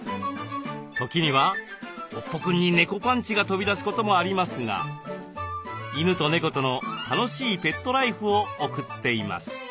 時にはおっぽくんに猫パンチが飛び出すこともありますが犬と猫との楽しいペットライフを送っています。